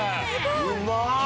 うまい！